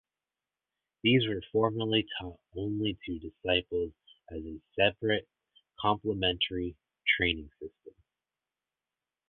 These were formerly taught only to disciples as a separate, complementary training system.